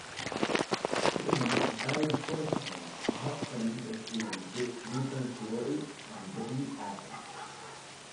Spivey married four times; her husbands included Ruben Floyd and Billy Adams.